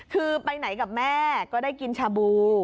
คือไปไหนกับแม่ก็ได้กินชาบู